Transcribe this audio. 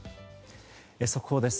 速報です。